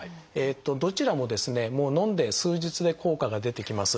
どちらもですねのんで数日で効果が出てきます。